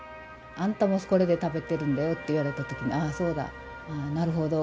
「あんたもこれで食べてるんだよ」って言われた時に「ああそうだ。ああなるほど。